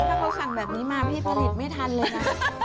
พอขังแบบนี้มาพี่ผลิตไม่ทันเลยนะ